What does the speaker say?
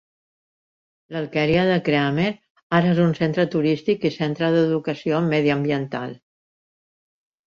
L'alqueria de Creamer ara és un centre turístic i centre d'educació mediambiental.